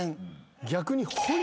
逆に。